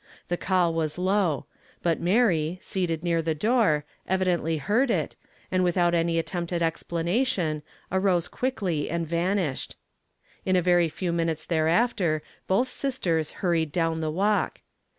The call was low ; but Mary, seated near the door, evidently heard it, and without any attempt at explanation, arose (piickly and vanished. In a very few minutes thereafter both sisters hurried down the walk.